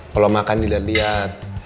kalo makan tidak lihat